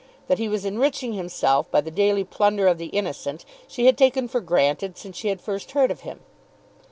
That he was enriching himself by the daily plunder of the innocent she had taken for granted since she had first heard of him.